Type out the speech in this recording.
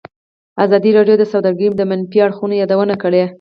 ازادي راډیو د سوداګري د منفي اړخونو یادونه کړې.